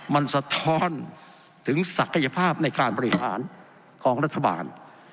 มันสะท้อนถึงศักยภาพในการบริหารของรัฐบาล